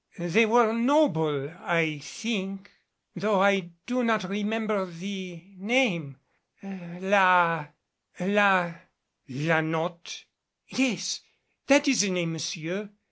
They were noble, I think though I do not remember the name, La La " "La Notte?" "Yes, that is the name, monsieur.